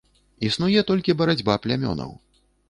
Існуе толькі барацьба плямёнаў.